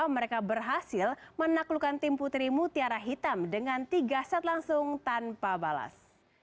mereka berhasil menaklukkan tim putri mutiara hitam dengan tiga set langsung tanpa balas